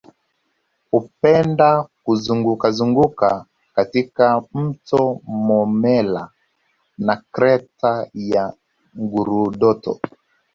Hupenda kuzungukazunguka katika mto Momella na Kreta ya Ngurudoto